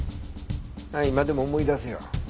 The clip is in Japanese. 今でも思い出すよ。